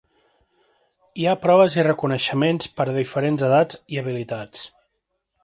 Hi ha proves i reconeixements per a diferents edats i habilitats.